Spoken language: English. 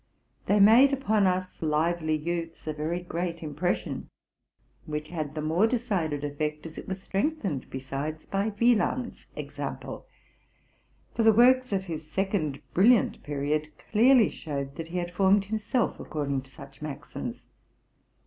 They made upon us lively' youths a very great impression, which had the more decided effect, as it was strengthened besides by Wieland's example ; for the works of his second brilliant period clearly showed that he had formed himself according to such maxims.